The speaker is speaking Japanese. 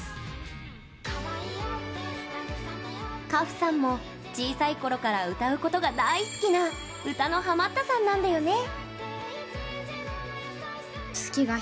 花譜さんも、小さいころから歌うことが大好きな歌のハマったさんなんだよね。